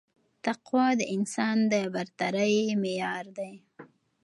تقوا د انسان د برترۍ معیار دی